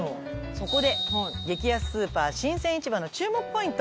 そこで激安スーパー新鮮市場の注目ポイント。